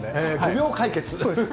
５秒解決。